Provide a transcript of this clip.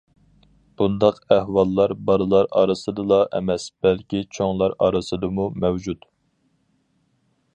بۇنداق ئەھۋاللار بالىلار ئارىسىدىلا ئەمەس، بەلكى چوڭلار ئارىسىدىمۇ مەۋجۇت.